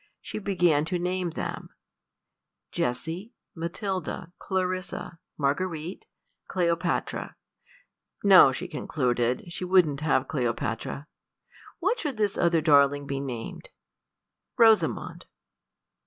She began to name them Jessie, Matilda, Clarissa, Marguerite, Cleopatra no, she concluded, she wouldn't have Cleopatra. What should this other darling be named? Rosamond.